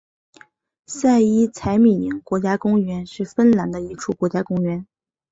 塞伊采米宁国家公园是芬兰的一处国家公园。